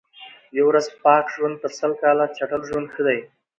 یوه ورځ پاک ژوند تر سل کال چټل ژوند ښه دئ.